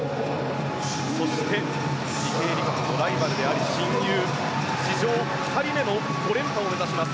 そして池江璃花子のライバルであり親友史上２人目の５連覇を目指します。